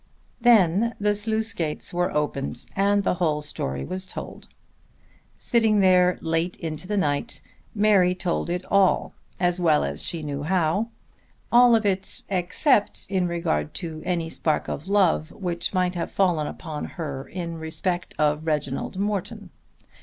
Then the sluice gates were opened and the whole story was told. Sitting there late into the night Mary told it all as well as she knew how, all of it except in regard to any spark of love which might have fallen upon her in respect of Reginald Morton.